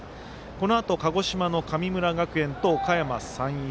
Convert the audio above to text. このあと、鹿児島の神村学園とおかやま山陽。